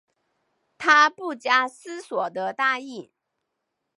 她不假思索的答应